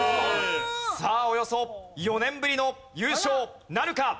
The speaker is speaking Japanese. さあおよそ４年ぶりの優勝なるか？